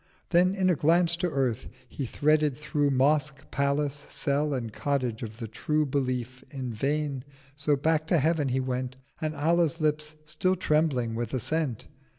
Then, in a Glance to Earth, he threaded through Mosque, Palace, Cell and Cottage of the True 710 Belief—in vain; so back to Heaven went And—Allah's Lips still trembling with assent!